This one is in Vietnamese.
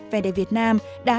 vd việt nam đã